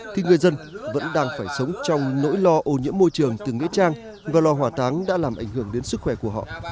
thì người dân vẫn đang phải sống trong nỗi lo ô nhiễm môi trường từ nghĩa trang và lò hỏa táng đã làm ảnh hưởng đến sức khỏe của họ